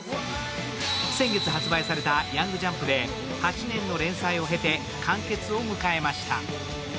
先月発売された「ヤングジャンプ」で８年の連載を経て完結を迎えました。